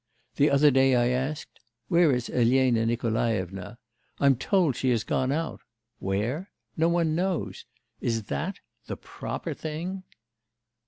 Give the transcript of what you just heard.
The other day I asked, "Where is Elena Nikolaevna?" I'm told she has gone out. Where? No one knows. Is that the proper thing?